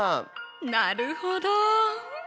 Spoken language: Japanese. なるほど。